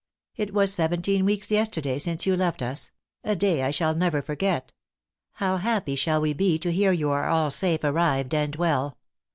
It was seventeen weeks yesterday since you left us a day I shall never forget. How happy shall we be to hear you are all safe arrived and well.